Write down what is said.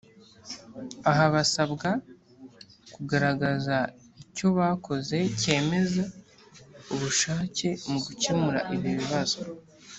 aha basabwa kugaraza icyo bakoze cyemeza ubushake mu gukemura ibi bibazo